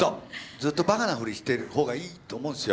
ずっとバカなフリしてる方がいいと思うんですよ。